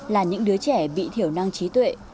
là những đứa trẻ bị thiểu năng trí tuệ